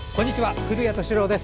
古谷敏郎です。